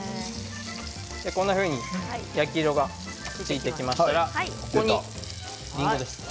こんなふうに焼き色がついてきましたらここにりんごです。